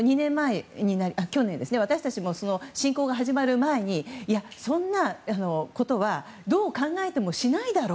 去年、私たちも侵攻が始まる前にそんなことはどう考えてもしないだろう。